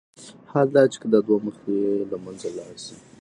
حال دا چې که دا دوه مخي له منځه لاړ شي.